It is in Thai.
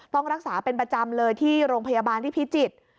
ต้องรักษาเป็นประจำเลยที่โรงพยาบาลที่พิจิตร